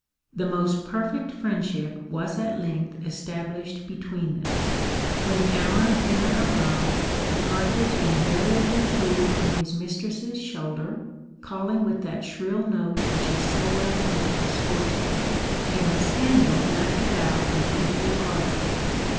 The most perfect friendship was at length established between them. When the hour of dinner arrived, the partridge invariably flew on his mistress's shoulder, calling with that shrill note which is so well known to sportsmen; and the spaniel leapt about with equal ardour.